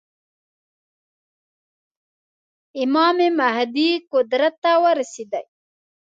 امام مهدي قدرت ته ورسېدی.